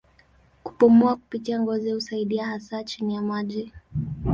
Kupumua kupitia ngozi husaidia hasa chini ya maji.